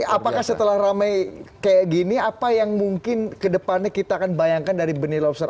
apakah setelah ramai kayak gini apa yang mungkin kedepannya kita akan bayangkan dari benih lobster